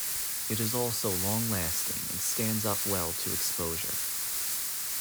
It is also long-lasting and stands up well to exposure.